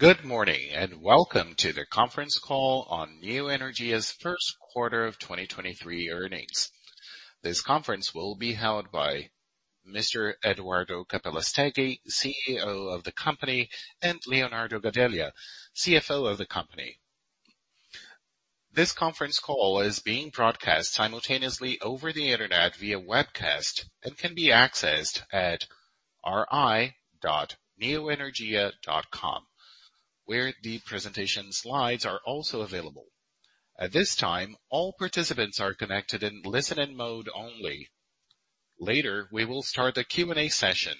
Good morning. Welcome to the conference call on Neoenergia's first quarter of 2023 earnings. This conference will be held by Mr. Eduardo Capelastegui Saiz, CEO of the company, and Leonardo Gadelha, CFO of the company. This conference call is being broadcast simultaneously over the Internet via webcast and can be accessed at ri.neoenergia.com, where the presentation slides are also available. At this time, all participants are connected in listen-in mode only. Later, we will start the Q&A session.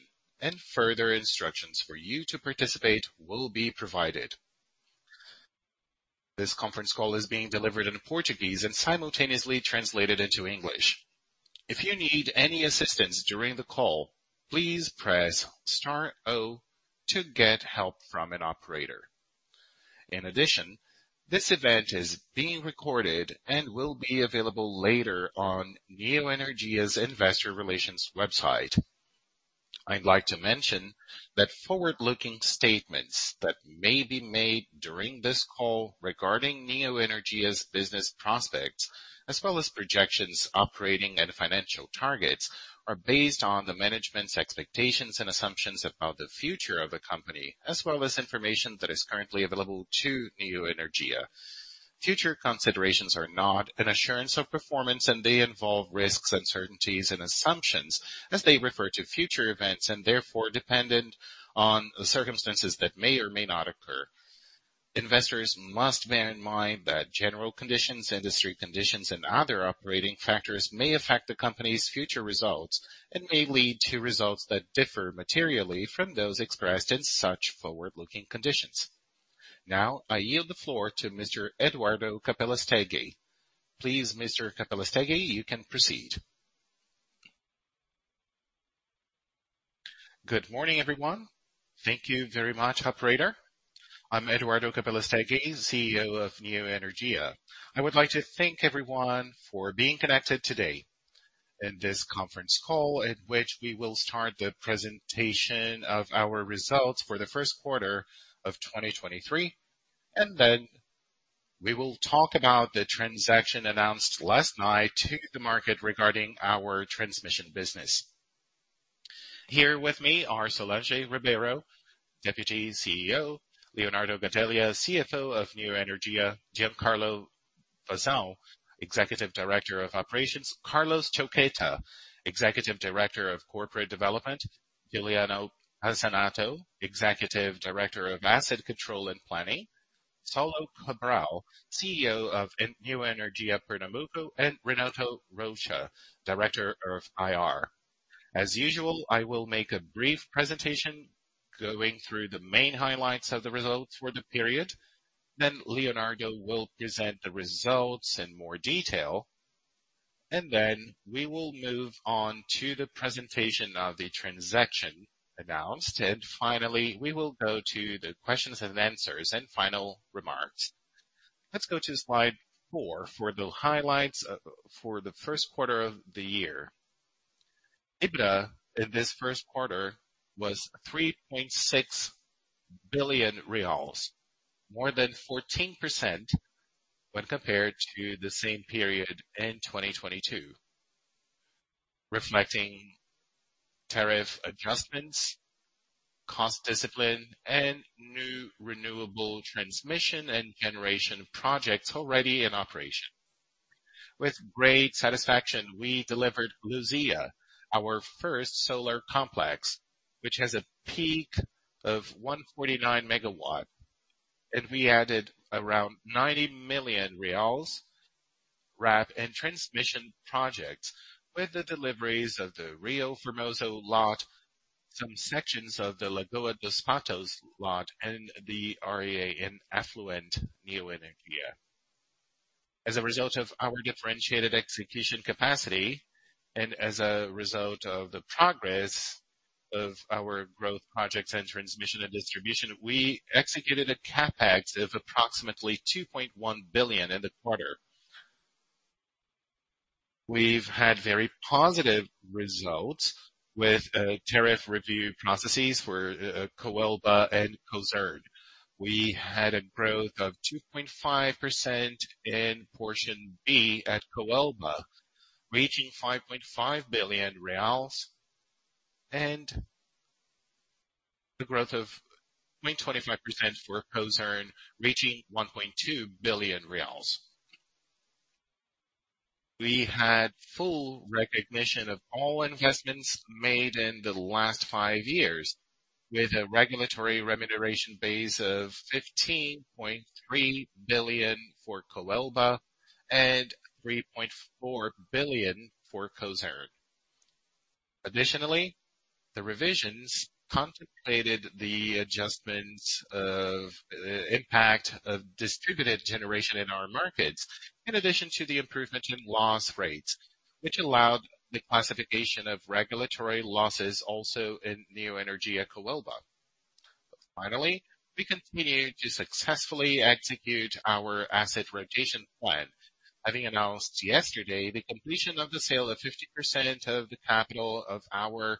Further instructions for you to participate will be provided. This conference call is being delivered in Portuguese and simultaneously translated into English. If you need any assistance during the call, please press star zero to get help from an operator. In addition, this event is being recorded and will be available later on Neoenergia's investor relations website. I'd like to mention that forward-looking statements that may be made during this call regarding Neoenergia's business prospects as well as projections, operating and financial targets, are based on the management's expectations and assumptions about the future of the company, as well as information that is currently available to Neoenergia. Future considerations are not an assurance of performance, and they involve risks, uncertainties and assumptions as they refer to future events and therefore dependent on circumstances that may or may not occur. Investors must bear in mind that general conditions, industry conditions and other operating factors may affect the company's future results and may lead to results that differ materially from those expressed in such forward-looking conditions. Now I yield the floor to Mr. Eduardo Capelastegui. Please, Mr. Capelastegui, you can proceed. Good morning, everyone. Thank you very much, operator. I'm Eduardo Capelastegui, CEO of Neoenergia. I would like to thank everyone for being connected today in this conference call, in which we will start the presentation of our results for the first quarter of 2023. Then we will talk about the transaction announced last night to the market regarding our transmission business. Here with me are Solange Ribeiro, Deputy CEO, Leonardo Gadelha, CFO of Neoenergia, Giancarlo Fasan, Executive Director of Operations, Carlos Choqueta, Executive Director of Corporate Development, Juliano Pansanato, Executive Director of Asset Control and Planning, Saulo Cabral, CEO of Neoenergia Pernambuco, and Renato Rocha, Director of IR. As usual, I will make a brief presentation going through the main highlights of the results for the period. Then Leonardo will present the results in more detail, then we will move on to the presentation of the transaction announced. Finally, we will go to the questions and answers and final remarks. Let's go to slide 4 for the highlights for the 1st quarter of the year. EBITDA in this 1st quarter was 3.6 billion reais, more than 14% when compared to the same period in 2022, reflecting tariff adjustments, cost discipline, and new renewable transmission and generation projects already in operation. With great satisfaction, we delivered Luzia, our 1st solar complex, which has a peak of 149 MW, and we added around 90 million reais RAP and transmission projects with the deliveries of the Rio Formoso lot, some sections of the Lagoa dos Patos lot, and the REE in Afluente Neoenergia. As a result of our differentiated execution capacity and as a result of the progress of our growth projects and transmission and distribution, we executed a CapEx of approximately 2.1 billion in the quarter. We've had very positive results with tariff review processes for Coelba and Cosern. We had a growth of 2.5% in portion B at Coelba, reaching 5.5 billion reais, and the growth of 0.25% for Cosern, reaching BRL 1.2 billion. We had full recognition of all investments made in the last five years with a regulatory remuneration base of 15.3 billion for Coelba and 3.4 billion for Cosern. Additionally, the revisions contemplated the adjustments of impact of distributed generation in our markets, in addition to the improvement in loss rates, which allowed the classification of regulatory losses also in Neoenergia Coelba. Finally, we continue to successfully execute our asset rotation plan, having announced yesterday the completion of the sale of 50% of the capital of our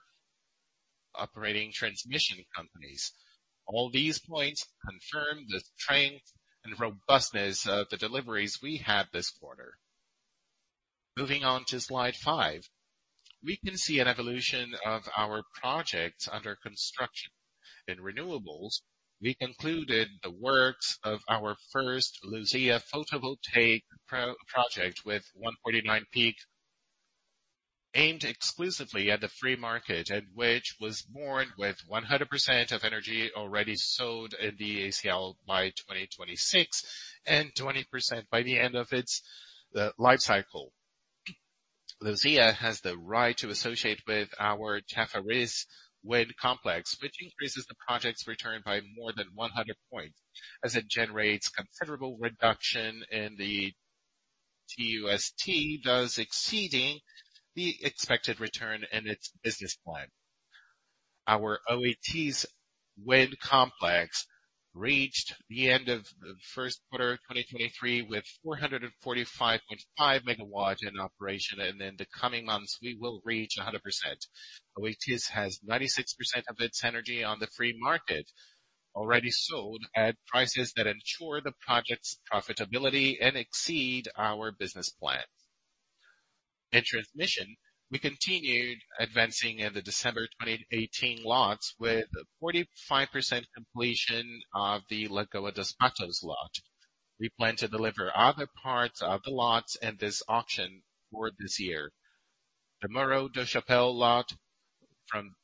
operating transmission companies. All these points confirm the strength and robustness of the deliveries we had this quarter. Moving on to slide five. We can see an evolution of our projects under construction. In renewables, we concluded the works of our first Luzia photovoltaic project with 149 peak, aimed exclusively at the free market and which was born with 100% of energy already sold in the ACL by 2026, and 20% by the end of its life cycle. Luzia has the right to associate with our Chafariz wind complex, which increases the project's return by more than 100 points as it generates considerable reduction in the TUST, thus exceeding the expected return in its business plan. Our Oitis wind complex reached the end of the first quarter of 2023 with 445.5 MW in operation. In the coming months, we will reach 100%. Oitis has 96% of its energy on the free market already sold at prices that ensure the project's profitability and exceed our business plan. In transmission, we continued advancing in the December 2018 lots with 45% completion of the Lagoa dos Patos lot. We plan to deliver other parts of the lots in this auction for this year. The Morro do Chapéu lot from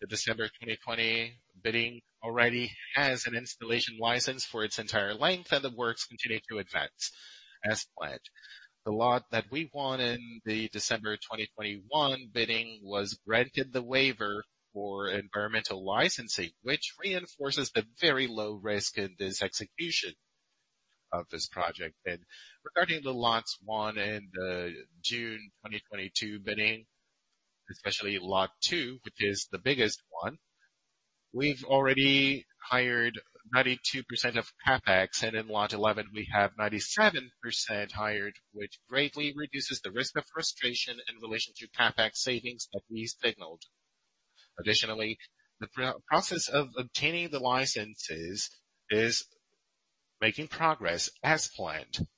the December 2020 bidding already has an installation license for its entire length. The works continue to advance as planned. The lot that we won in the December 2021 bidding was granted the waiver for environmental licensing, which reinforces the very low risk in this execution of this project. Regarding the lots won in the June 2022 bidding, especially lot two, which is the biggest one, we've already hired 92% of CapEx, and in lot eleven we have 97% hired, which greatly reduces the risk of frustration in relation to CapEx savings that we signaled. The pro-process of obtaining the licenses is making progress as planned.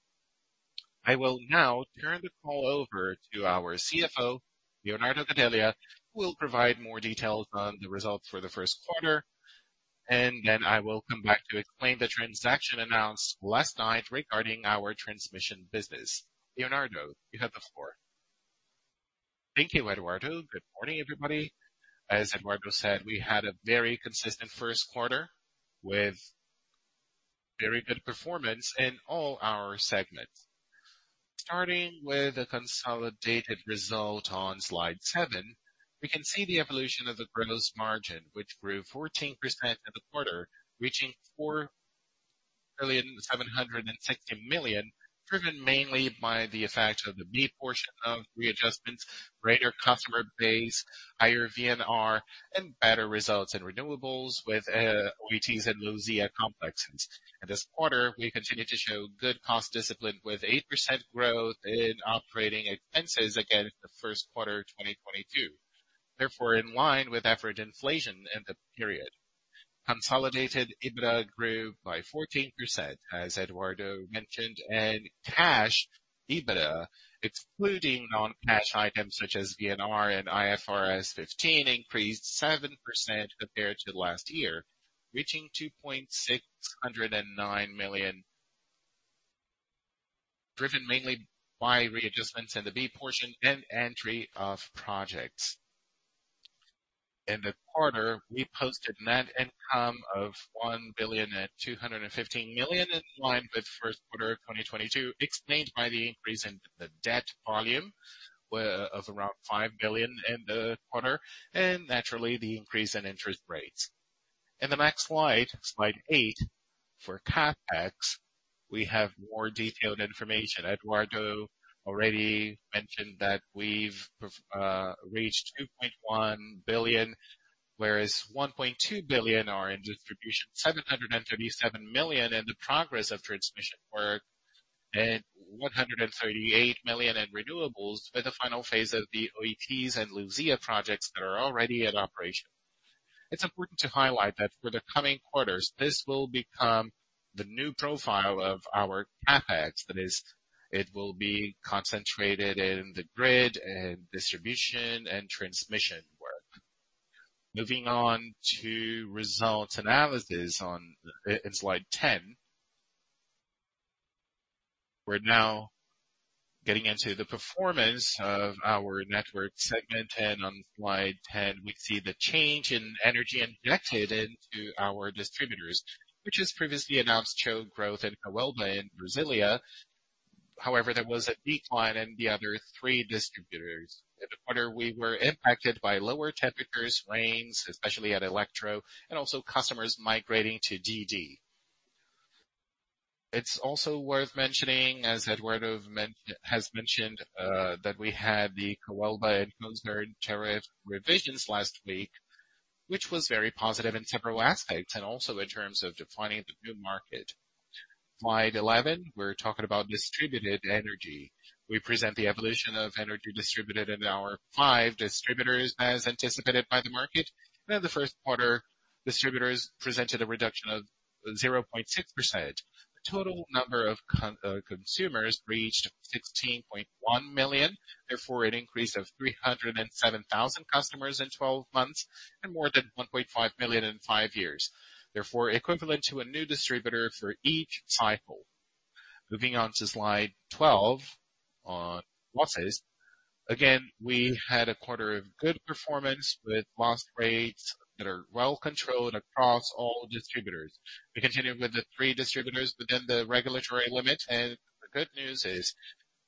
I will now turn the call over to our CFO, Leonardo Gadelha, who will provide more details on the results for the first quarter. Then I will come back to explain the transaction announced last night regarding our transmission business. Leonardo, you have the floor. Thank you, Eduardo. Good morning, everybody. As Eduardo said, we had a very consistent first quarter with very good performance in all our segments. Starting with the consolidated result on slide seven, we can see the evolution of the gross margin, which grew 14% in the quarter, reaching 4.76 billion, driven mainly by the effect of the Parcel B of readjustments, greater customer base, higher VNR, and better results in renewables with EOLs and Luzia complexes. In this quarter, we continue to show good cost discipline with 8% growth in operating expenses again in the first quarter of 2022, therefore in line with average inflation in the period. Consolidated EBITDA grew by 14%, as Eduardo mentioned. Cash EBITDA, excluding non-cash items such as VNR and IFRS 15, increased 7% compared to last year, reaching 2.609 million, driven mainly by readjustments in the Parcel B and entry of projects. In the quarter, we posted net income of 1.215 billion in line with 1st quarter of 2022, explained by the increase in the debt volume of around 5 billion in the quarter and, naturally, the increase in interest rates. In the next slide eight, for CapEx, we have more detailed information. Eduardo already mentioned that we've reached 2.1 billion, whereas 1.2 billion are in distribution, 737 million in the progress of transmission work, and 138 million in renewables for the final phase of the EOLs and Luzia projects that are already in operation. It's important to highlight that for the coming quarters, this will become the new profile of our CapEx. That is, it will be concentrated in the grid and distribution and transmission work. Moving on to results analysis in slide 10. We're now getting into the performance of our network segment. On slide 10, we see the change in energy injected into our distributors, which as previously announced, show growth in Coelba and Brasilia. However, there was a decline in the other three distributors. In the quarter, we were impacted by lower temperatures, rains, especially at Elektro, and also customers migrating to DG. It's also worth mentioning, as Eduardo has mentioned, that we had the Coelba and Cosern tariff revisions last week, which was very positive in several aspects and also in terms of defining the new market. Slide 11, we're talking about distributed energy. We present the evolution of energy distributed in our five distributors as anticipated by the market. In the first quarter, distributors presented a reduction of 0.6%. The total number of consumers reached 16.1 million, therefore an increase of 307,000 customers in 12 months, and more than 1.5 million in five years. Therefore, equivalent to a new distributor for each cycle. Moving on to slide 12, on losses. We had a quarter of good performance with loss rates that are well controlled across all distributors. We continue with the three distributors within the regulatory limit. The good news is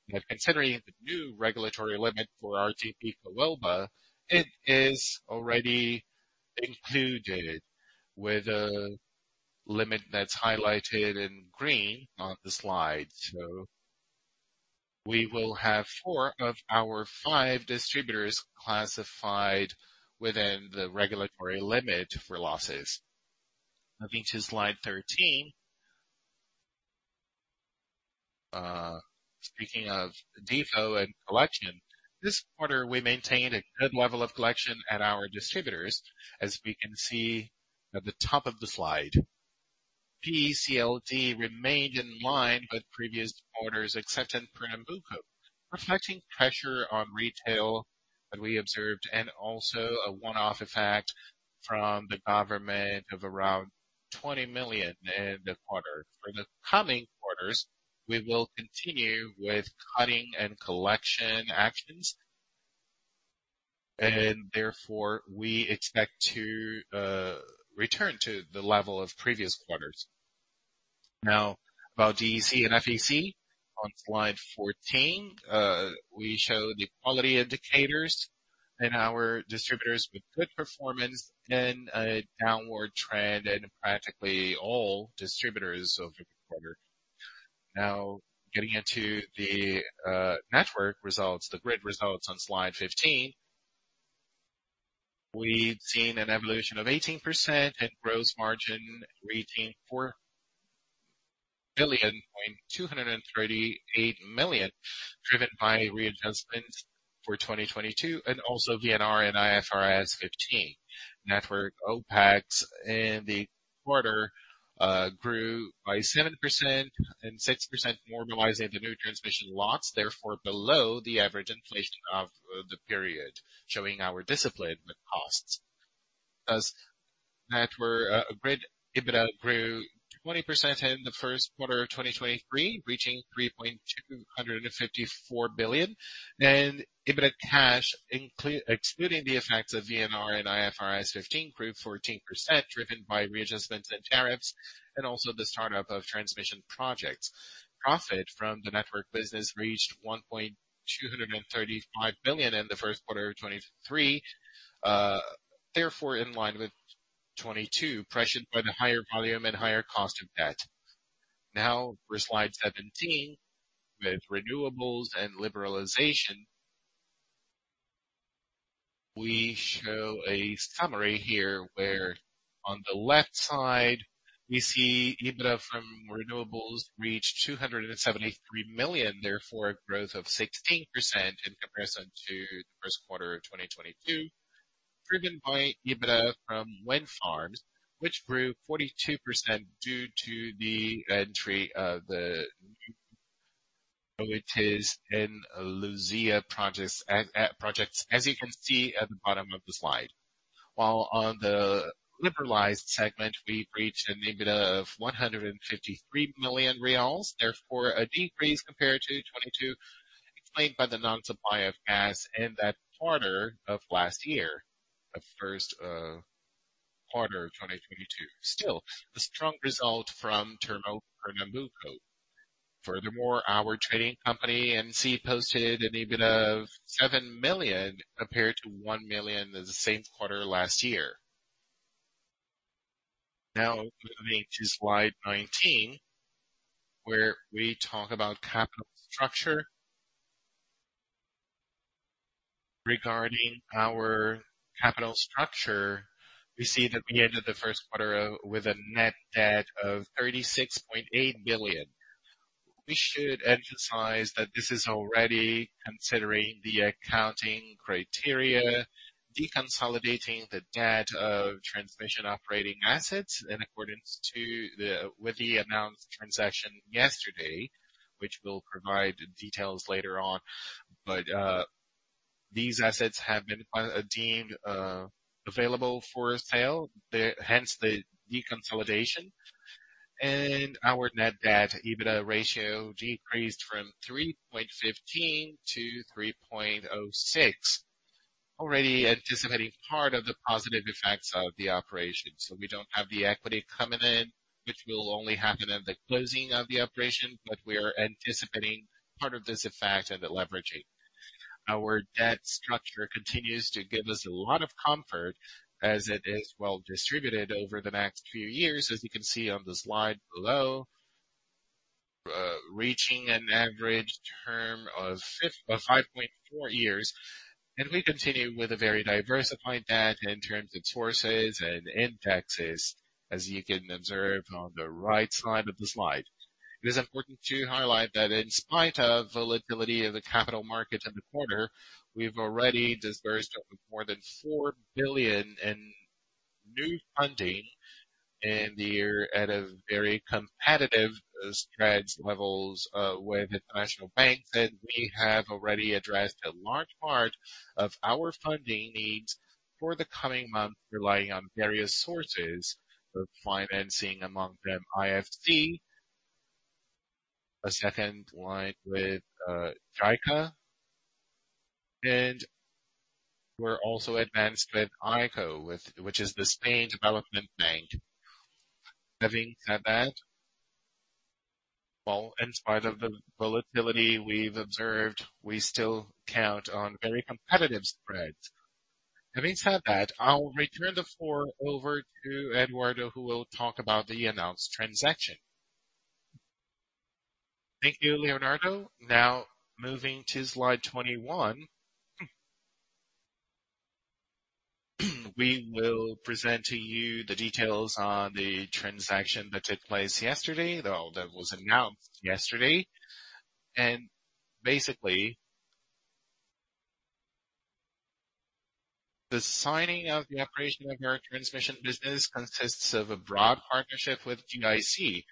that considering the new regulatory limit for RTP Coelba, it is already included with a limit that's highlighted in green on the slide. We will have four of our five distributors classified within the regulatory limit for losses. Moving to slide 13. Speaking of DFO and collection, this quarter we maintained a good level of collection at our distributors. As we can see at the top of the slide. PECLD remained in line with previous quarters, except in Pernambuco, reflecting pressure on retail that we observed, and also a one-off effect from the government of around 20 million in the quarter. For the coming quarters, we will continue with cutting and collection actions. Therefore, we expect to return to the level of previous quarters. Now, about DEC and FEC on slide 14, we show the quality indicators in our distributors with good performance in a downward trend in practically all distributors over the quarter. Now, getting into the network results, the grid results on slide 15. We've seen an evolution of 18% and gross margin retaining 4.238 billion, driven by readjustments for 2022 and also VNR and IFRS 15. Network OpEx in the quarter grew by 7% and 6% normalizing the new transmission lots, therefore below the average inflation of the period, showing our discipline with costs. As network grid, EBITDA grew 20% in the first quarter of 2023, reaching 3.254 billion. EBITDA cash excluding the effects of VNR and IFRS 15 grew 14%, driven by readjustments and tariffs and also the start-up of transmission projects. Profit from the network business reached 1.235 billion in the first quarter of 2023, therefore in line with 2022, pressured by the higher volume and higher cost of debt. Now for slide 17, with renewables and liberalization. We show a summary here, where on the left side, we see EBITDA from renewables reached 273 million, therefore a growth of 16% in comparison to the first quarter of 2022, driven by EBITDA from wind farms, which grew 42% due to the entry of the new EOLs in Luzia projects as you can see at the bottom of the slide. While on the liberalized segment, we reached an EBITDA of BRL 153 million, therefore a decrease compared to 2022, explained by the non-supply of gas in that quarter of last year, the first quarter of 2022. Still, a strong result from Termopernambuco. Furthermore, our trading company, NC, posted an EBITDA of 7 million, compared to 1 million in the same quarter last year. Now moving to slide 19, where we talk about capital structure. Regarding our capital structure, we see that we ended the first quarter with a net debt of 36.8 billion. We should emphasize that this is already considering the accounting criteria, deconsolidating the debt of transmission operating assets in accordance with the announced transaction yesterday, which we'll provide details later on. These assets have been deemed available for sale, hence the deconsolidation. Our net debt EBITDA ratio decreased from 3.15 to 3.06, already anticipating part of the positive effects of the operation. We don't have the equity coming in, which will only happen at the closing of the operation, but we are anticipating part of this effect and the leveraging. Our debt structure continues to give us a lot of comfort as it is well-distributed over the next few years, as you can see on the slide below, reaching an average term of 5.4 years, and we continue with a very diversified debt in terms of sources and indexes, as you can observe on the right side of the slide. It is important to highlight that in spite of volatility of the capital markets in the quarter, we've already disbursed more than 4 billion in new funding, we're at a very competitive spread levels with international banks. We have already addressed a large part of our funding needs for the coming months, relying on various sources for financing, among them IFC. A second line with JICA. We're also advanced with ICO, which is the Spain Development Bank. In spite of the volatility we've observed, we still count on very competitive spreads. I'll return the floor over to Eduardo, who will talk about the announced transaction. Thank you, Leonardo. Moving to slide 21. We will present to you the details on the transaction that took place yesterday, though that was announced yesterday. Basically, the signing of the operation of our transmission business consists of a broad partnership with GIC,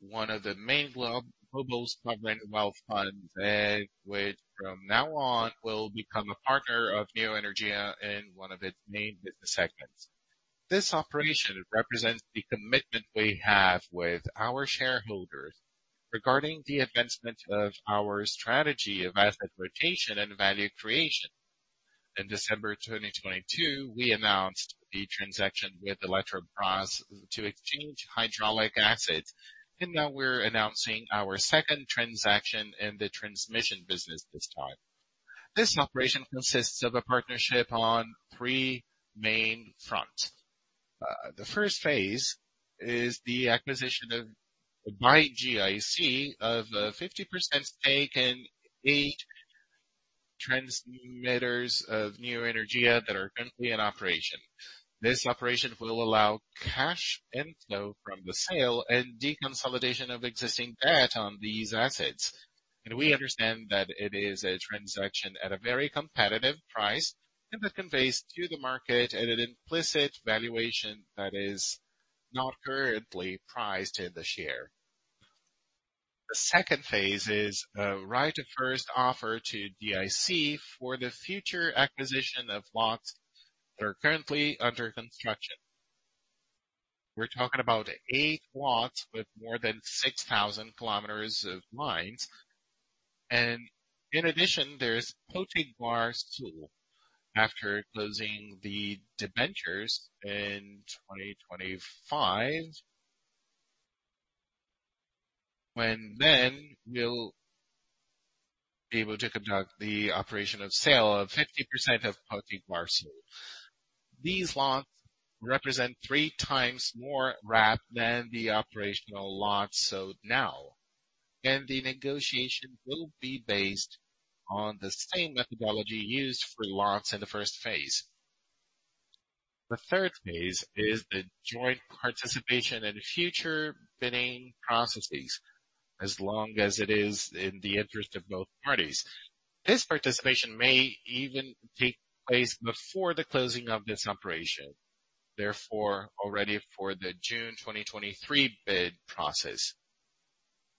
one of the main global sovereign wealth funds, which from now on will become a partner of Neoenergia in one of its main business segments. This operation represents the commitment we have with our shareholders regarding the advancement of our strategy of asset rotation and value creation. In December 2022, we announced the transaction with Eletrobras to exchange hydraulic assets, and now we're announcing our second transaction in the transmission business this time. This operation consists of a partnership on three main fronts. The first phase is the acquisition of, by GIC of a 50% stake in eight transmitters of Neoenergia that are currently in operation. This operation will allow cash inflow from the sale and deconsolidation of existing debt on these assets. We understand that it is a transaction at a very competitive price, and that conveys to the market at an implicit valuation that is not currently priced in the share. The second phase is a right of first offer to GIC for the future acquisition of lots that are currently under construction. We're talking about eight lots with more than 6,000 km of lines. In addition, there's Potiguar Sul. After closing the debentures in 2025, when then we'll be able to conduct the operation of sale of 50% of Potiguar Sul. These lots represent 3x more RAP than the operational lots sold now, and the negotiation will be based on the same methodology used for lots in the first phase. The third phase is the joint participation in future bidding processes as long as it is in the interest of both parties. This participation may even take place before the closing of this operation. Already for the June 2023 bid process.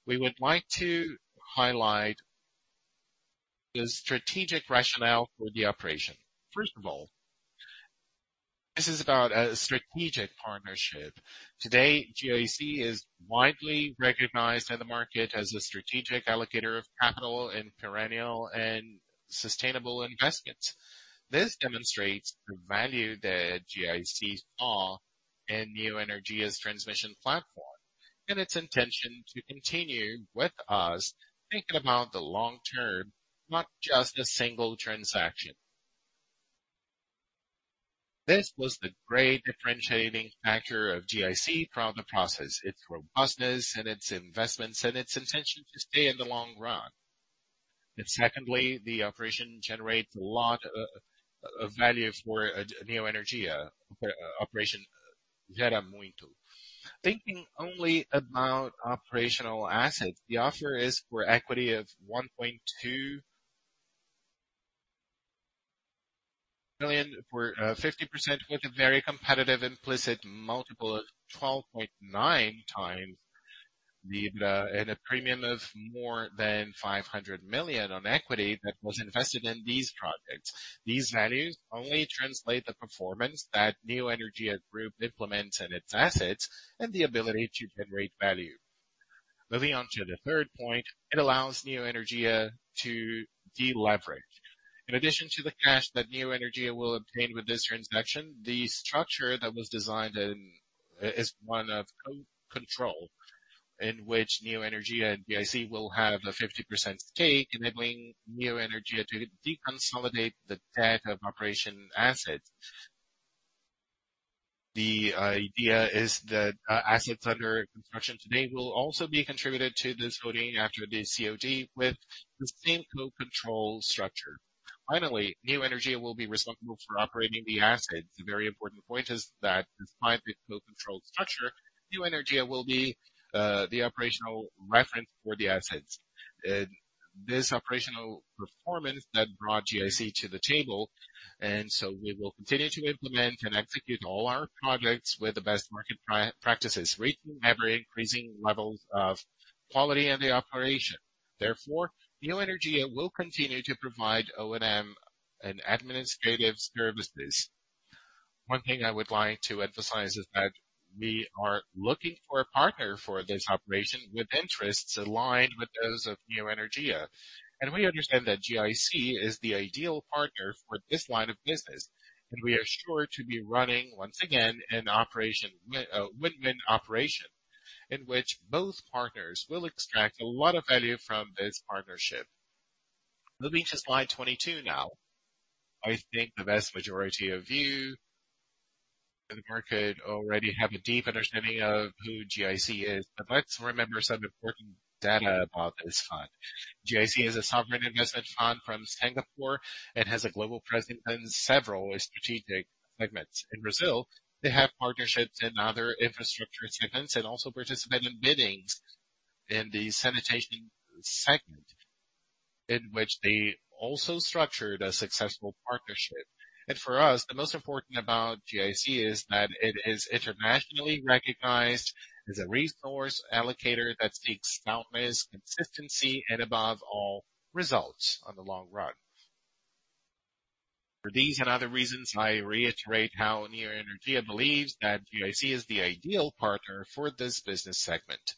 We would like to highlight the strategic rationale for the operation. First of all, this is about a strategic partnership. Today, GIC is widely recognized in the market as a strategic allocator of capital and perennial and sustainable investments. This demonstrates the value that GIC saw in Neoenergia's transmission platform and its intention to continue with us thinking about the long term, not just a single transaction. This was the great differentiating factor of GIC throughout the process, its robustness and its investments and its intention to stay in the long run. Secondly, the operation generates a lot of value for Neoenergia Operation Vira Muito. Thinking only about operational assets, the offer is for equity of 1.2 billion for 50% with a very competitive implicit multiple of 12.9x the EBITDA and a premium of more than 500 million on equity that was invested in these projects. These values only translate the performance that Neoenergia group implements in its assets and the ability to generate value. Moving on to the third point, it allows Neoenergia to deleverage. In addition to the cash that Neoenergia will obtain with this transaction, the structure that was designed in is one of co-control, in which Neoenergia and GIC will have a 50% stake, enabling Neoenergia to deconsolidate the debt of operation assets. The idea is that assets under construction today will also be contributed to this coding after the COD with the same co-control structure. Finally, Neoenergia will be responsible for operating the assets. A very important point is that despite the co-controlled structure, Neoenergia will be the operational reference for the assets. This operational performance that brought GIC to the table, we will continue to implement and execute all our projects with the best market practices, reaching ever-increasing levels of quality in the operation. Therefore, Neoenergia will continue to provide O&M and administrative services. One thing I would like to emphasize is that we are looking for a partner for this operation with interests aligned with those of Neoenergia. We understand that GIC is the ideal partner for this line of business, we are sure to be running, once again, a win-win operation in which both partners will extract a lot of value from this partnership. Moving to slide 22 now. I think the vast majority of you in the market already have a deep understanding of who GIC is. Let's remember some important data about this fund. GIC is a sovereign investment fund from Singapore. It has a global presence in several strategic segments. In Brazil, they have partnerships in other infrastructure segments and also participate in biddings in the sanitation segment, in which they also structured a successful partnership. For us, the most important about GIC is that it is internationally recognized as a resource allocator that seeks out consistency and, above all, results on the long run. For these and other reasons, I reiterate how Neoenergia believes that GIC is the ideal partner for this business segment.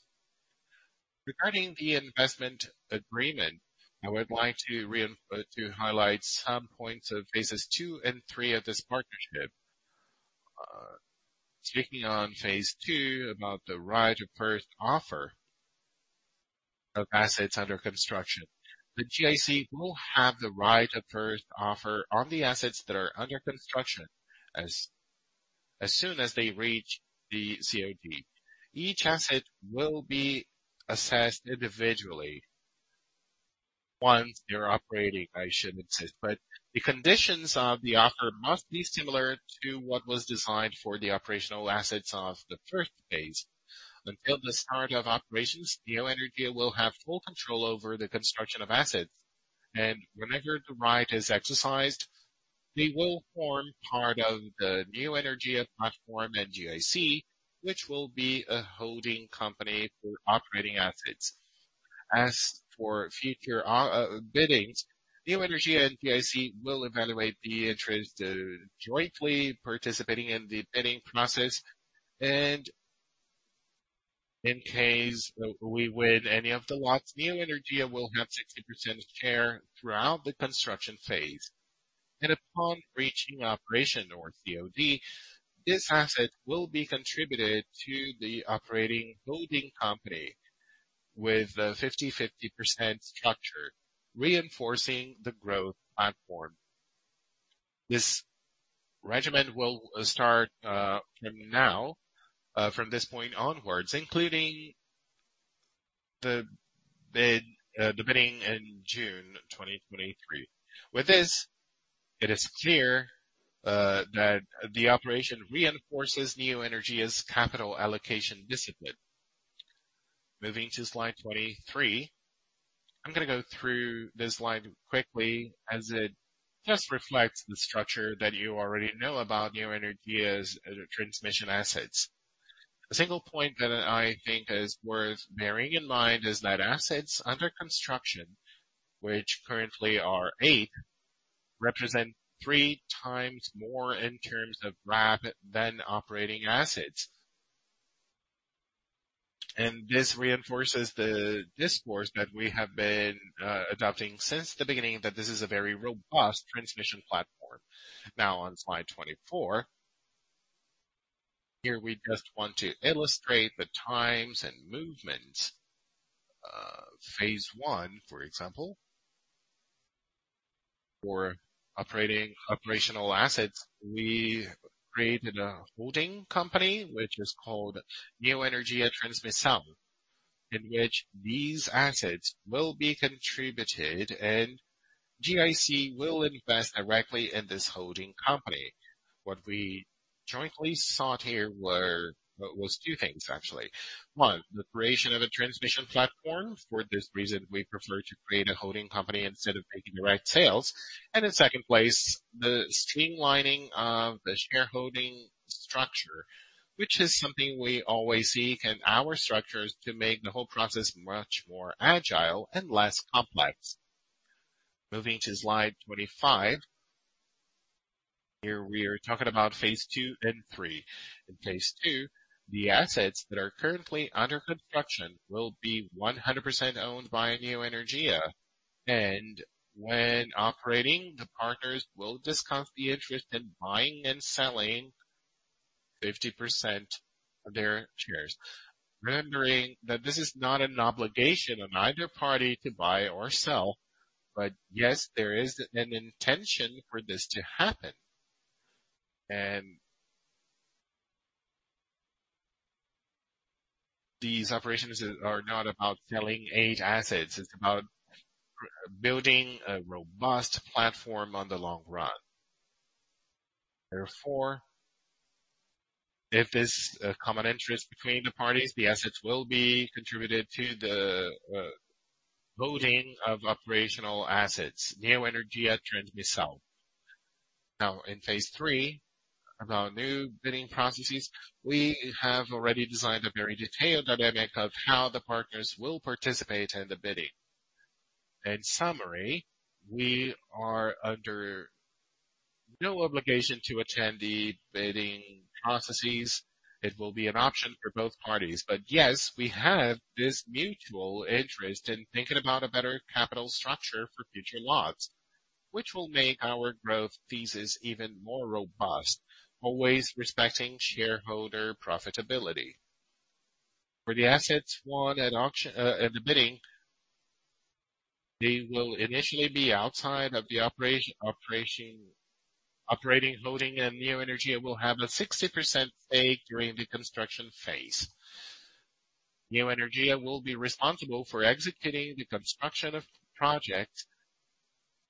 Regarding the investment agreement, I would like to highlight some points of phases two and three of this partnership. Speaking on Phase 2 about the right of first offer of assets under construction. The GIC will have the right of first offer on the assets that are under construction as soon as they reach the COD. Each asset will be assessed individually once they're operating, I should insist. The conditions of the offer must be similar to what was designed for the operational assets of the first phase. Until the start of operations, Neoenergia will have full control over the construction of assets. Whenever the right is exercised, they will form part of the Neoenergia platform and GIC, which will be a holding company for operating assets. As for future biddings, Neoenergia and GIC will evaluate the interest, jointly participating in the bidding process, and in case we win any of the lots, Neoenergia will have 60% share throughout the construction phase. Upon reaching operation or COD, this asset will be contributed to the operating holding company with a 50/50% structure, reinforcing the growth platform. This regimen will start from now, from this point onwards, including the bidding in June 2023. With this, it is clear that the operation reinforces Neoenergia's capital allocation discipline. Moving to slide 23. I'm gonna go through this slide quickly as it just reflects the structure that you already know about Neoenergia's transmission assets. A single point that I think is worth bearing in mind is that assets under construction, which currently are eight, represent 3x more in terms of RAB than operating assets. This reinforces the discourse that we have been adopting since the beginning, that this is a very robust transmission platform. Now on slide 24. Here we just want to illustrate the times and movements. Phase 1, for example, for operating operational assets, we created a holding company, which is called Neoenergia Transmissão, in which these assets will be contributed, and GIC will invest directly in this holding company. What we jointly sought here were, was two things, actually. One, the creation of a transmission platform. For this reason, we prefer to create a holding company instead of making direct sales. In second place, the streamlining of the shareholding structure, which is something we always seek in our structures to make the whole process much more agile and less complex. Moving to slide 25. Here we are talking about Phase 2 and 3 In Phase 2, the assets that are currently under construction will be 100% owned by Neoenergia. When operating, the partners will discuss the interest in buying and selling 50% of their shares. Remembering that this is not an obligation on either party to buy or sell. But yes, there is an intention for this to happen. These operations are not about selling eight assets. It's about building a robust platform on the long run. Therefore, if there's a common interest between the parties, the assets will be contributed to the loading of operational assets, Neoenergia Transmissão. In Phase 3, about new bidding processes, we have already designed a very detailed dynamic of how the partners will participate in the bidding. In summary, we are under no obligation to attend the bidding processes. It will be an option for both parties. Yes, we have this mutual interest in thinking about a better capital structure for future lots, which will make our growth thesis even more robust, always respecting shareholder profitability. For the assets won at the bidding, they will initially be outside of the operation, operating, loading, and Neoenergia will have a 60% stake during the construction phase. Neoenergia will be responsible for executing the construction of project,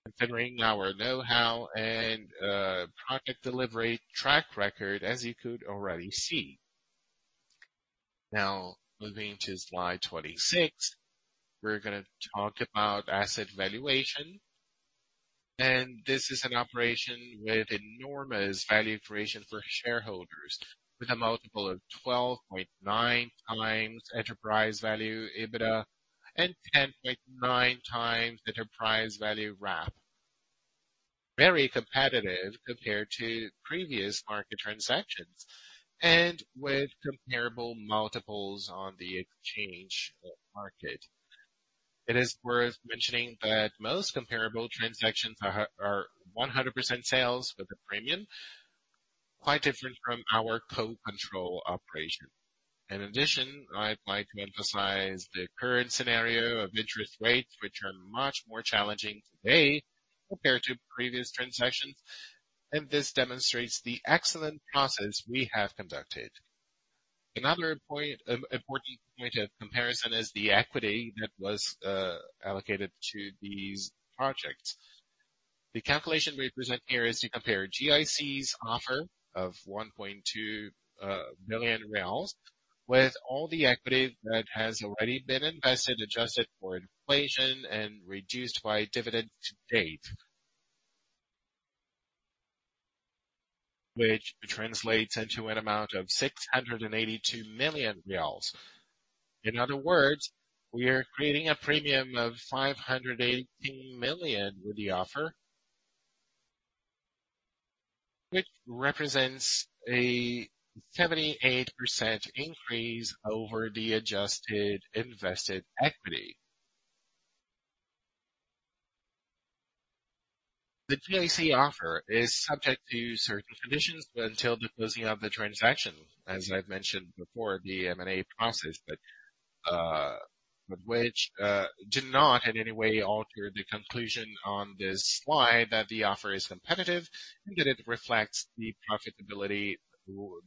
considering our know-how and project delivery track record, as you could already see. Moving to slide 26, we're gonna talk about asset valuation. This is an operation with enormous value creation for shareholders, with a multiple of 12.9x enterprise value EBITDA and 10.9x the enterprise value RAP. Very competitive compared to previous market transactions and with comparable multiples on the exchange market. It is worth mentioning that most comparable transactions are 100% sales with a premium, quite different from our co-control operation. In addition, I'd like to emphasize the current scenario of interest rates, which are much more challenging today compared to previous transactions, and this demonstrates the excellent process we have conducted. Another important point of comparison is the equity that was allocated to these projects. The calculation we present here is to compare GIC's offer of 1.2 billion with all the equity that has already been invested, adjusted for inflation and reduced by dividend to date. Which translates into an amount of 682 million reais. In other words, we are creating a premium of 580 million with the offer. Which represents a 78% increase over the adjusted invested equity. The GIC offer is subject to certain conditions until the closing of the transaction, as I've mentioned before, the M&A process, but which do not in any way alter the conclusion on this slide that the offer is competitive and that it reflects the profitability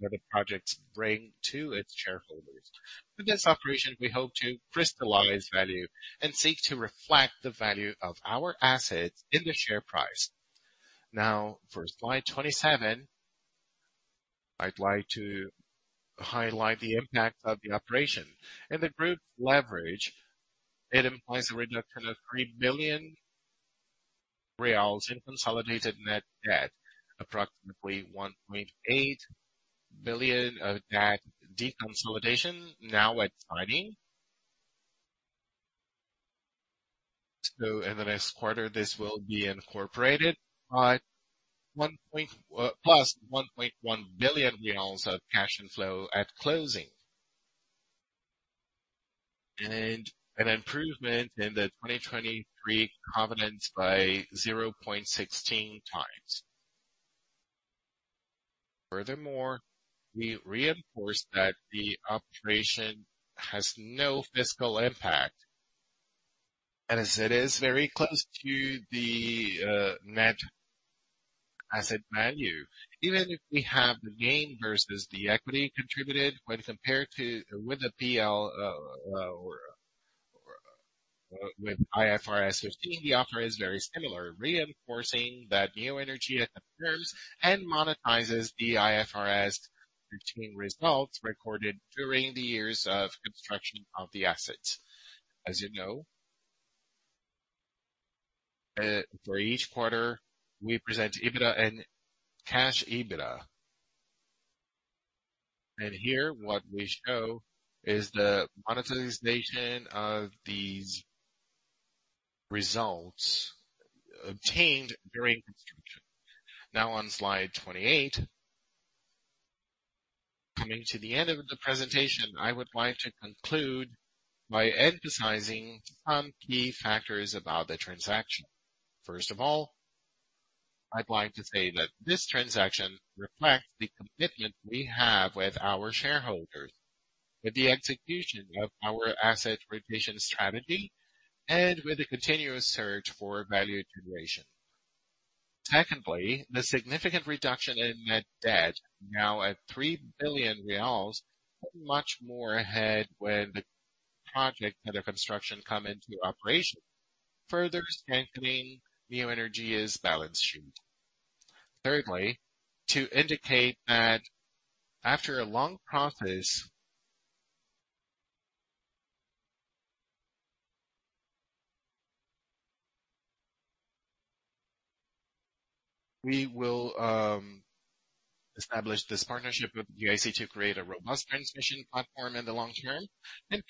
that the projects bring to its shareholders. With this operation, we hope to crystallize value and seek to reflect the value of our assets in the share price. For slide 27, I'd like to highlight the impact of the operation. In the group leverage, it implies a reduction of 3 billion reais in consolidated net debt, approximately 1.8 billion of that deconsolidation now at timing. In the next quarter, this will be incorporated by +BRL 1.1 billion of cash flow at closing. An improvement in the 2023 covenants by 0.16x. Furthermore, we reinforce that the operation has no fiscal impact, and as it is very close to the net asset value, even if we have the gain versus the equity contributed when compared with the PL, or with IFRS 15, the offer is very similar, reinforcing that Neoenergia confirms and monetizes the IFRS 15 results recorded during the years of construction of the assets. As you know, for each quarter, we present EBITDA and cash EBITDA. Here what we show is the monetization of these results obtained during construction. On slide 28, coming to the end of the presentation, I would like to conclude by emphasizing some key factors about the transaction. First of all, I'd like to say that this transaction reflects the commitment we have with our shareholders, with the execution of our asset rotation strategy, and with the continuous search for value creation. Secondly, the significant reduction in net debt, now at 3 billion reais, much more ahead when the project under construction come into operation, further strengthening Neoenergia's balance sheet. Thirdly, to indicate that after a long process, we will establish this partnership with GIC to create a robust transmission platform in the long term.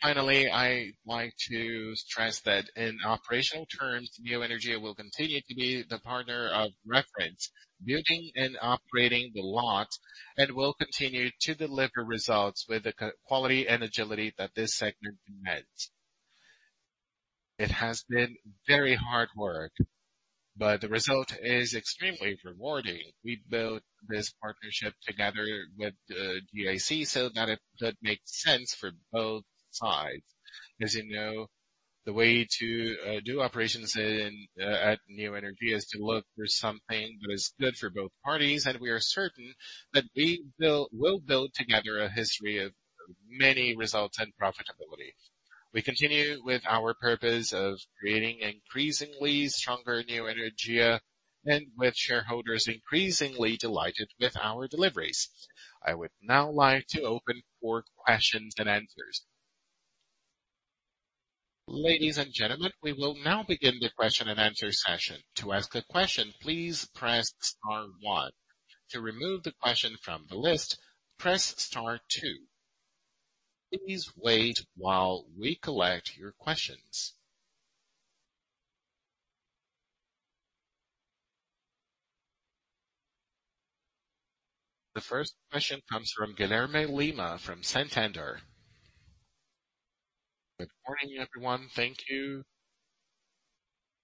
Finally, I want to stress that in operational terms, Neoenergia will continue to be the partner of reference, building and operating the lot, and will continue to deliver results with the quality and agility that this segment demands. It has been very hard work, but the result is extremely rewarding. We built this partnership together with GIC so that it makes sense for both sides. As you know, the way to do operations in at Neoenergia is to look for something that is good for both parties, and we are certain that we'll build together a history of many results and profitability. We continue with our purpose of creating increasingly stronger Neoenergia and with shareholders increasingly delighted with our deliveries. I would now like to open for questions and answers. Ladies and gentlemen, we will now begin the question and answer session. To ask a question, please press star one. To remove the question from the list, press star two. Please wait while we collect your questions. The first question comes from Guilherme Lima from Santander. Good morning, everyone. Thank you.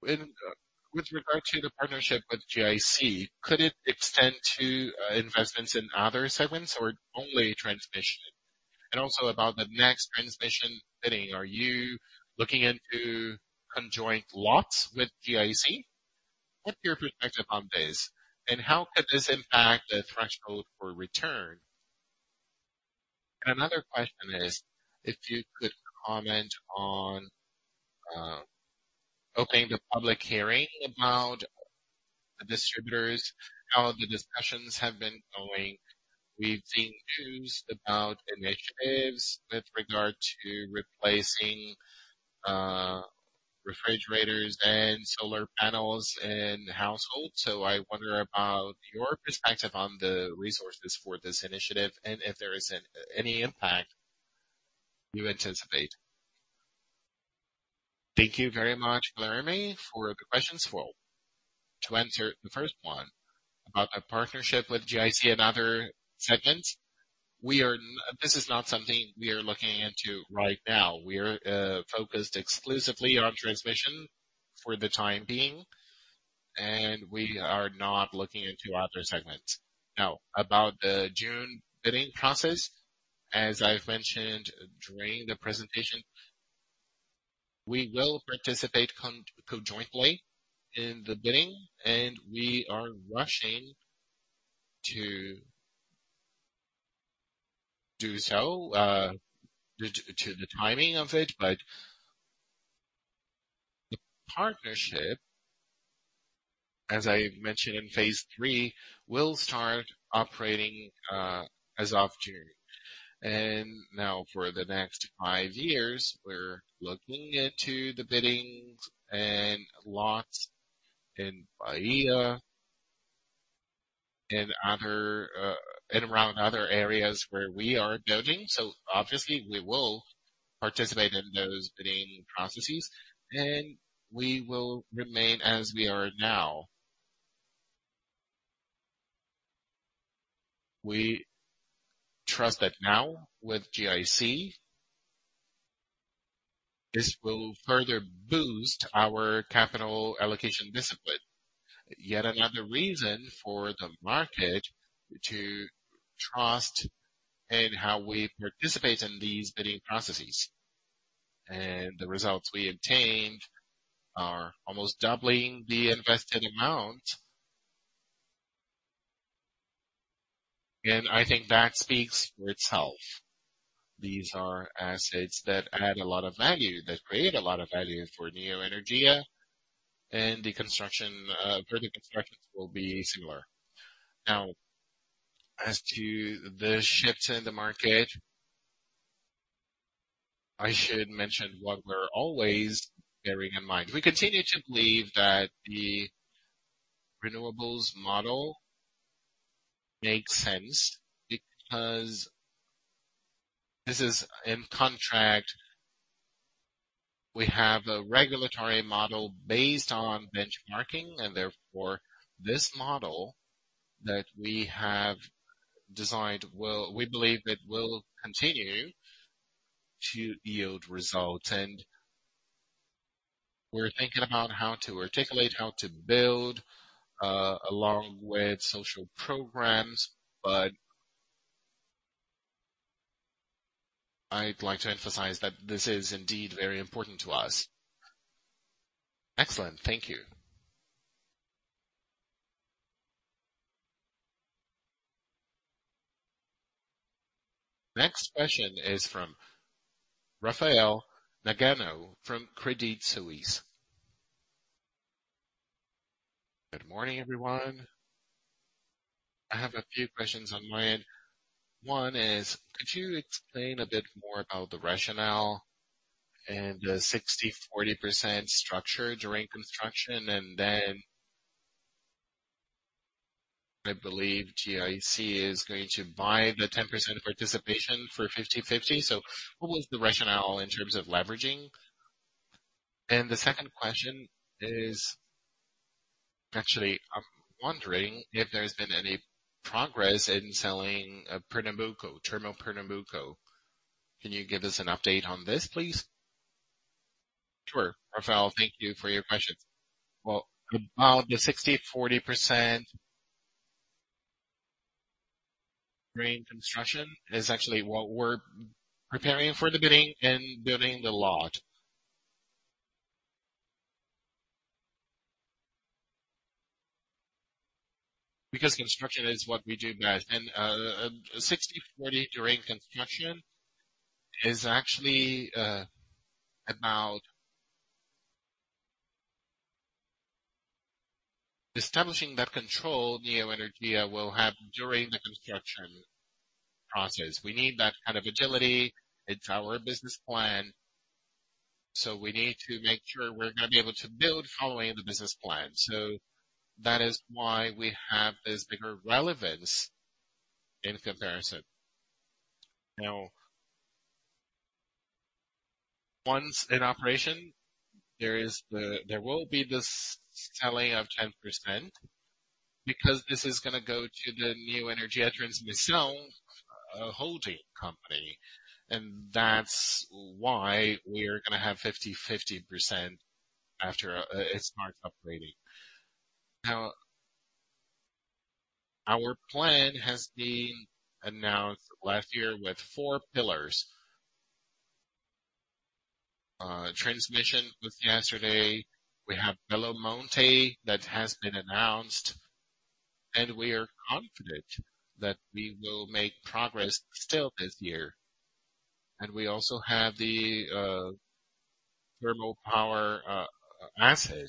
With regard to the partnership with GIC, could it extend to investments in other segments or only transmission? Also about the next transmission bidding, are you looking into conjoint lots with GIC? What's your perspective on this, and how could this impact the threshold for return? Another question is, if you could comment on opening the public hearing about the distributors, how the discussions have been going. We've seen news about initiatives with regard to replacing refrigerators and solar panels in the household. I wonder about your perspective on the resources for this initiative and if there is any impact you anticipate. Thank you very much, Guilherme, for the questions. Well, to answer the first one about a partnership with GIC and other segments, this is not something we are looking into right now. We are focused exclusively on transmission for the time being, and we are not looking into other segments. About the June bidding process, as I've mentioned during the presentation, we will participate conjointly in the bidding, and we are rushing to do so due to the timing of it. The partnership, as I mentioned in Phase 3, will start operating as of June. Now for the next five years, we're looking into the biddings and lots in Bahia and other, and around other areas where we are building. Obviously we will participate in those bidding processes, and we will remain as we are now. We trust that now with GIC, this will further boost our capital allocation discipline. Yet another reason for the market to trust in how we participate in these bidding processes. The results we obtained are almost doubling the invested amount. I think that speaks for itself. These are assets that add a lot of value, that create a lot of value for Neoenergia, and the construction, for the construction will be similar. Now, as to the shift in the market, I should mention what we're always bearing in mind. We continue to believe that the renewables model makes sense because this is in contract. We have a regulatory model based on benchmarking and therefore this model that we have designed, we believe it will continue to yield results. We're thinking about how to articulate, how to build, along with social programs. I'd like to emphasize that this is indeed very important to us. Excellent. Thank you. Next question is from Rafael Nagano from Credit Suisse. Good morning, everyone. I have a few questions on mind. One is, could you explain a bit more about the rationale and the 60%-40% structure during construction? Then, I believe GIC is going to buy the 10% participation for 50%-50%. What was the rationale in terms of leveraging? The second question is, actually, I'm wondering if there's been any progress in selling Termopernambuco. Can you give us an update on this, please? Sure, Rafael, thank you for your questions. Well, about the 60%-40% during construction is actually what we're preparing for the bidding and building the lot. Construction is what we do best. 60%-40% during construction is actually about establishing that control Neoenergia will have during the construction process. We need that kind of agility. It's our business plan. We need to make sure we're going to be able to build following the business plan. That is why we have this bigger relevance in comparison. Once in operation, there will be this selling of 10%, because this is gonna go to the Neoenergia Transmissão holding company. That's why we're gonna have 50% after it starts operating. Our plan has been announced last year with four pillars. Transmission was yesterday. We have Belo Monte that has been announced, and we are confident that we will make progress still this year. We also have the thermal power asset.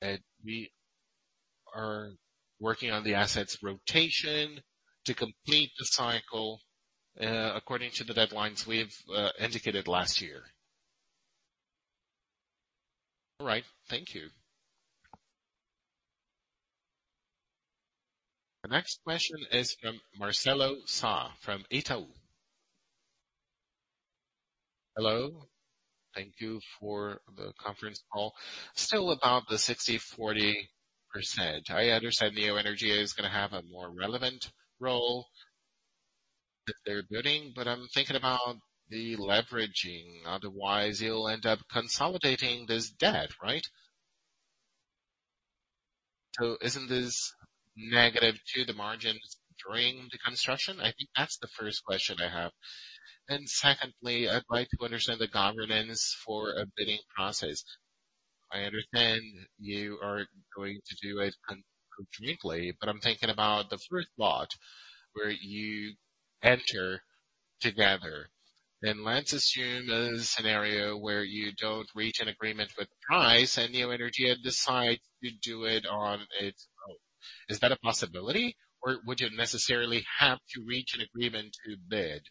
That we are working on the assets rotation to complete the cycle according to the deadlines we've indicated last year. All right. Thank you. The next question is from Marcelo Sá from Itaú. Hello. Thank you for the conference call. Still about the 60%-40%. I understand Neoenergia is gonna have a more relevant role that they're building, but I'm thinking about the leveraging. Otherwise you'll end up consolidating this debt, right? Isn't this negative to the margins during the construction? I think that's the first question I have. Secondly, I'd like to understand the governance for a bidding process. I understand you are going to do it uniquely, but I'm thinking about the first lot where you enter together. Let's assume a scenario where you don't reach an agreement with price and Neoenergia decides to do it on its own. Is that a possibility or would you necessarily have to reach an agreement to bid?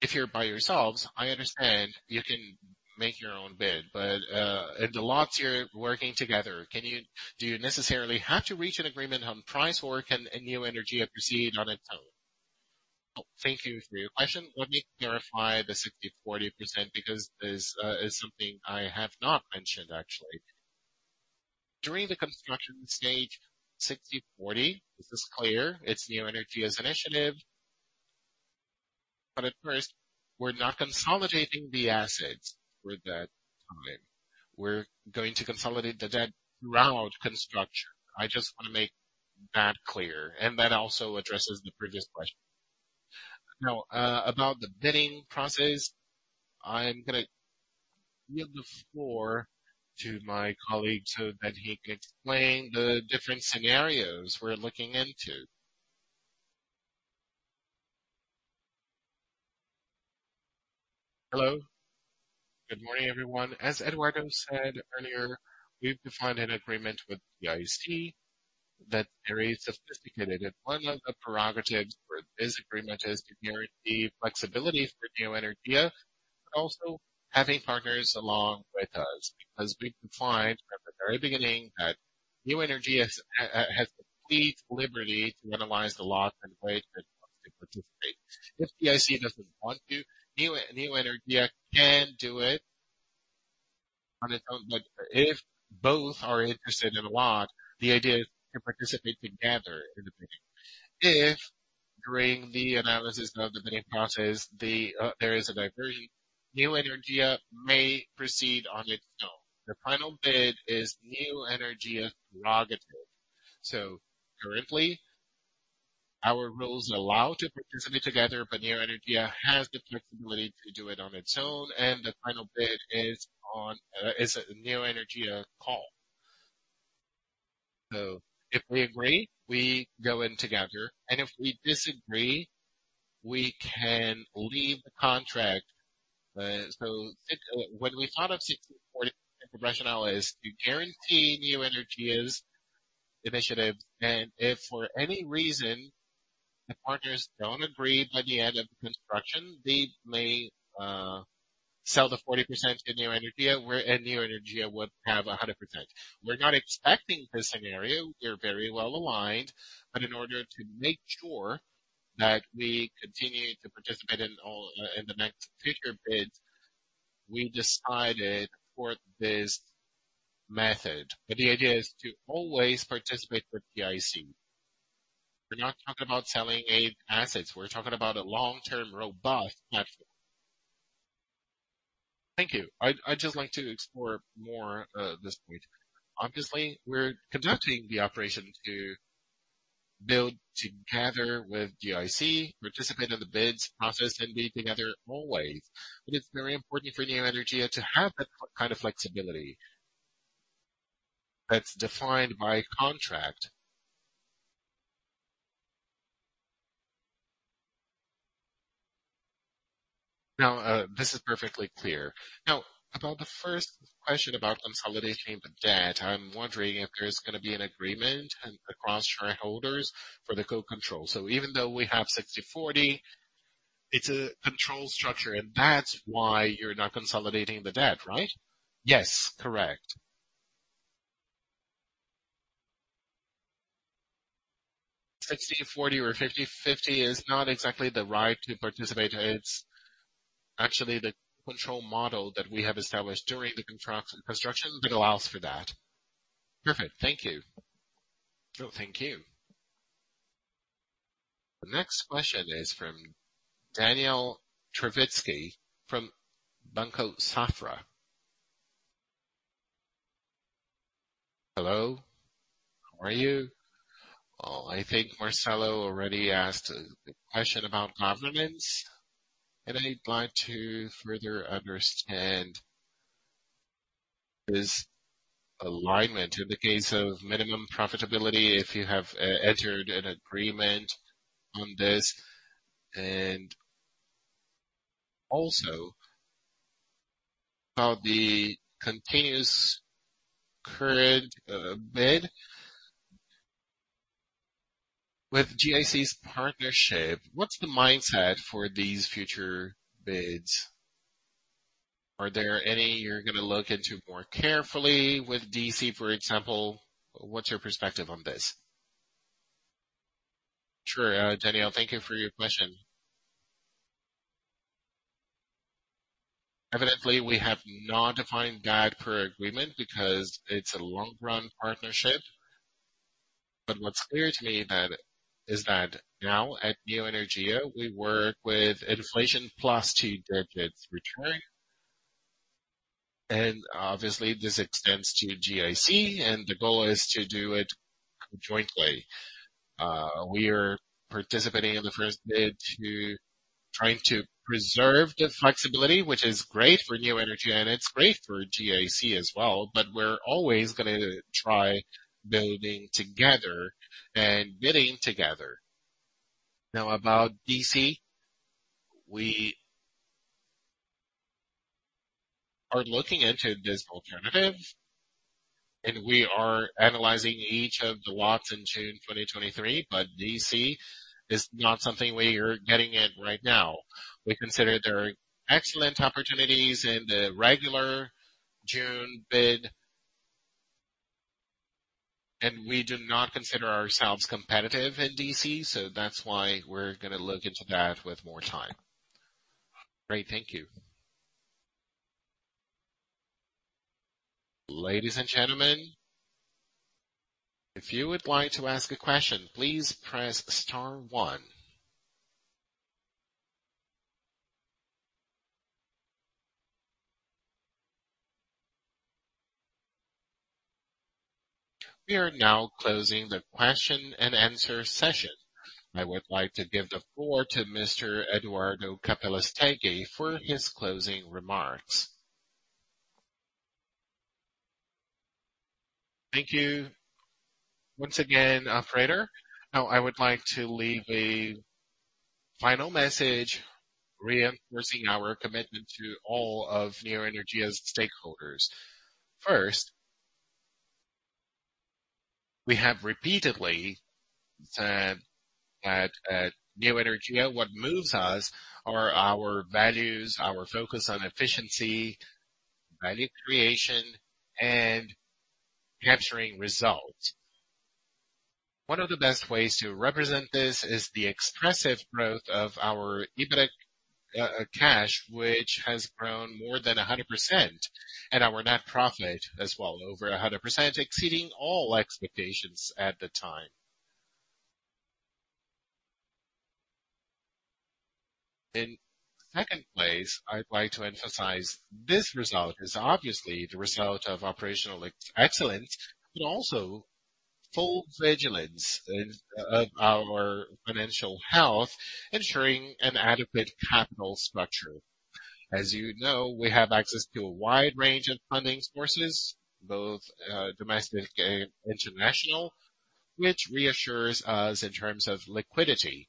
If you're by yourselves, I understand you can make your own bid, if the lots you're working together, do you necessarily have to reach an agreement on price or can Neoenergia proceed on its own? Thank you for your question. Let me clarify the 60%-40%, because this is something I have not mentioned actually. During the construction stage, 60%-40%, this is clear it's Neoenergia's initiative, but at first we're not consolidating the assets for that time. We're going to consolidate the debt throughout construction. I just want to make that clear, and that also addresses the previous question. About the bidding process, I'm gonna give the floor to my colleague so that he can explain the different scenarios we're looking into. Hello. Good morning, everyone. As Eduardo said earlier, we've defined an agreement with GIC that's very sophisticated. One of the prerogatives for this agreement is to guarantee flexibility for Neoenergia, also having partners along with us, because we defined from the very beginning that Neoenergia has complete liberty to analyze the lot and weigh if it wants to participate. If GIC doesn't want to, Neoenergia can do it. On its own. If both are interested in a lot, the idea is to participate together in the bidding. If during the analysis of the bidding process, there is a diversion, Neoenergia may proceed on its own. The final bid is Neoenergia prerogative. Currently, our rules allow to participate together, but Neoenergia has the flexibility to do it on its own, and the final bid is on is a Neoenergia call. If we agree, we go in together, and if we disagree, we can leave the contract. What we thought of 60%-40% professional is to guarantee Neoenergia's initiatives. If for any reason the partners don't agree by the end of the construction, they may sell the 40% to Neoenergia, where at Neoenergia would have 100%. We're not expecting this scenario. We're very well aligned, in order to make sure that we continue to participate in all in the next future bids, we decided for this method. The idea is to always participate with GIC. We're not talking about selling any assets. We're talking about a long-term, robust platform. Thank you. I'd just like to explore more this point. Obviously, we're conducting the operation to build together with GIC, participate in the bids process and be together always. It's very important for Neoenergia to have that kind of flexibility that's defined by contract. No, this is perfectly clear. Now, about the first question about consolidating the debt. I'm wondering if there's gonna be an agreement across shareholders for the co-control. Even though we have 60%-40%, it's a control structure, and that's why you're not consolidating the debt, right? Yes, correct. 60%-40% or 50%-50% is not exactly the right to participate. It's actually the control model that we have established during the contract construction that allows for that. Perfect. Thank you. No, thank you. The next question is from Daniel Vaz from Banco Safra. Hello. How are you? Well, I think Marcelo already asked the question about governance, and I'd like to further understand this alignment in the case of minimum profitability, if you have entered an agreement on this. Also about the continuous current bid. With GIC's partnership, what's the mindset for these future bids? Are there any you're gonna look into more carefully with DC, for example? What's your perspective on this? Sure. Daniel, thank you for your question. Evidently, we have not defined that per agreement because it's a long-run partnership. What's clear to me is that now at Neoenergia, we work with inflation +2 digits return. Obviously, this extends to GIC, and the goal is to do it jointly. We are participating in the first bid to trying to preserve the flexibility, which is great for Neoenergia, and it's great for GIC as well, but we're always gonna try building together and bidding together. About DC, we are looking into this alternative, and we are analyzing each of the lots in June 2023, but DC is not something we are getting in right now. We consider there are excellent opportunities in the regular June bid. We do not consider ourselves competitive in DC, so that's why we're gonna look into that with more time. Great. Thank you. Ladies and gentlemen, if you would like to ask a question, please press star one. We are now closing the question-and-answer session. I would like to give the floor to Mr. Eduardo Capelastegui for his closing remarks. Thank you once again, Frederick. Now, I would like to leave a final message reinforcing our commitment to all of Neoenergia's stakeholders. First, we have repeatedly said that at Neoenergia, what moves us are our values, our focus on efficiency, value creation, and capturing results. One of the best ways to represent this is the expressive growth of our EBIT cash, which has grown more than 100%, and our net profit as well over 100%, exceeding all expectations at the time. In second place, I'd like to emphasize this result is obviously the result of operational excellence, but also full vigilance of our financial health, ensuring an adequate capital structure. As you know, we have access to a wide range of funding sources, both domestic and international, which reassures us in terms of liquidity.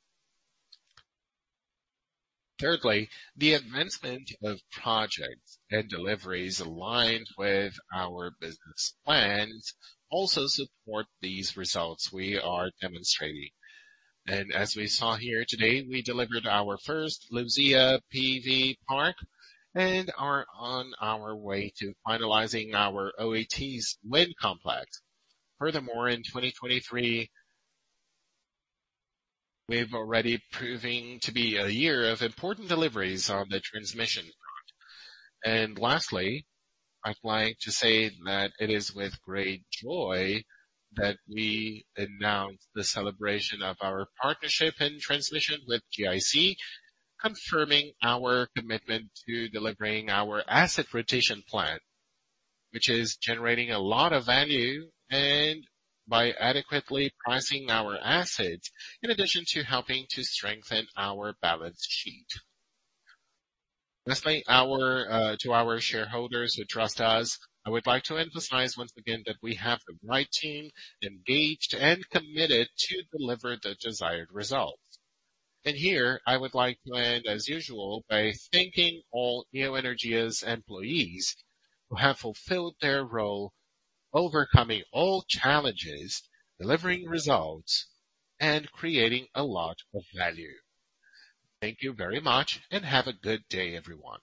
Thirdly, the advancement of projects and deliveries aligned with our business plans also support these results we are demonstrating. As we saw here today, we delivered our first Luzia PV park and are on our way to finalizing our Oitis wind complex. Furthermore, in 2023, we've already proving to be a year of important deliveries on the transmission front. Lastly, I'd like to say that it is with great joy that we announce the celebration of our partnership and transmission with GIC, confirming our commitment to delivering our asset rotation plan, which is generating a lot of value and by adequately pricing our assets, in addition to helping to strengthen our balance sheet. Lastly, our to our shareholders who trust us, I would like to emphasize once again that we have the right team engaged and committed to deliver the desired results. Here, I would like to end as usual by thanking all Neoenergia's employees who have fulfilled their role, overcoming all challenges, delivering results, and creating a lot of value. Thank you very much and have a good day, everyone.